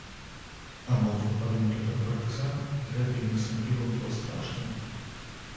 Абодва падумалі пра партызан, і гэта ім асабліва было страшным.